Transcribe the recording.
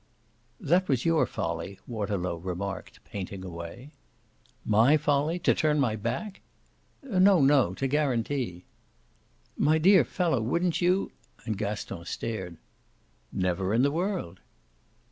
"That was your folly," Waterlow remarked, painting away. "My folly to turn my back?" "No, no to guarantee." "My dear fellow, wouldn't you?" and Gaston stared. "Never in the world."